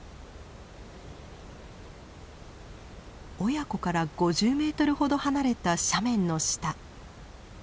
親子から５０メートルほど離れた斜面の下。